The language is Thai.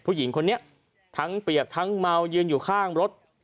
ผู้หญิงคนนี้ทั้งเปียกทั้งเมายืนอยู่ข้างรถ